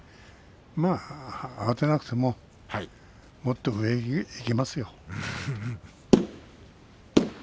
まあ、慌てなくてももっと上にいきますよ。